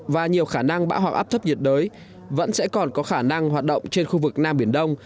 và nhiều khả năng bão hoặc áp thấp nhiệt đới vẫn sẽ còn có khả năng hoạt động trên khu vực nam biển đông